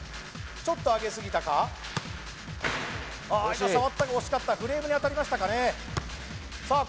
ちょっと上げすぎたか触ったが惜しかったフレームに当たりましたかねさあ